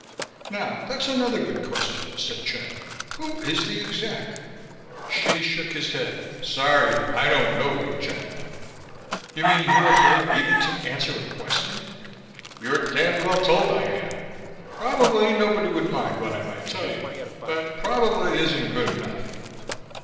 "Now, that's another good question," said Chandler. "Who is the Exec?" Hsi shook his head. "Sorry. I don't know you, Chandler." "You mean you're afraid even to answer a question?" "You're damned well told I am. Probably nobody would mind what I might tell you ... but 'probably' isn't good enough."